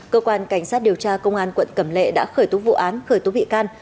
cơ quan cảnh sát điều tra công an quận cẩm lệ đã khởi tố vụ án khởi tố bị can